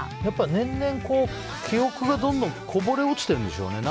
年々記憶がどんどんこぼれ落ちているんでしょうね。